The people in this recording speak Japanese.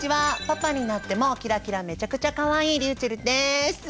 パパになってもキラキラめちゃくちゃかわいいりゅうちぇるです。